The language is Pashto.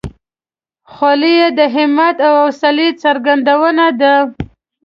خولۍ د همت او حوصلې څرګندونه ده.